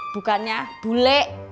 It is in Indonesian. bukannya bu l